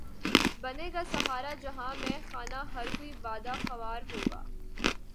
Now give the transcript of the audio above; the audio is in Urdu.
بنے گا سارا جہان مے خانہ ہر کوئی بادہ خوار ہوگا